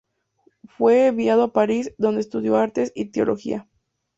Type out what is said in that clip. Fue enviado a París, donde estudió artes y teología.